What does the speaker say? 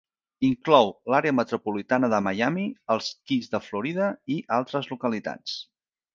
Inclou l'àrea metropolitana de Miami, els Keys de Florida i altres localitats.